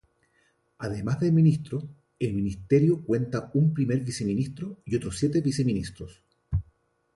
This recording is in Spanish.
Además del ministro, el Ministerio cuenta un primer viceministro y otros siete viceministros.